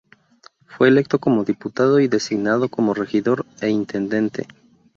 Fue electo como diputado y designado como regidor e intendente.